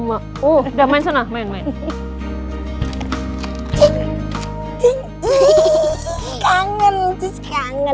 aku juga mengertinya